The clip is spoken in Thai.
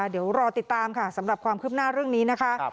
เดี๋ยวรอติดตามค่ะสำหรับความคืบหน้าเรื่องนี้นะคะ